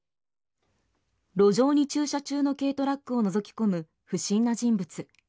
路上に駐車中の軽トラックをのぞき込む不審な人物。